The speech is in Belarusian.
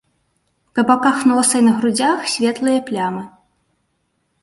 Па баках носа і на грудзях светлыя плямы.